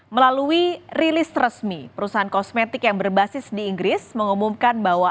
melalui rilis resmi perusahaan kosmetik yang berbasis di inggris mengumumkan bahwa